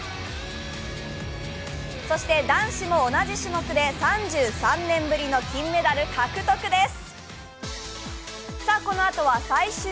そして、男子も同じ種目で３３年ぶりの金メダル獲得です。